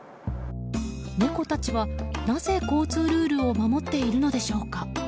猫たちは、なぜ交通ルールを守っているのでしょうか。